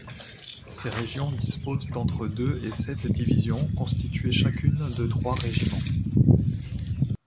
Ces régions disposent d'entre deux et sept divisions, constituées chacune de trois régiments.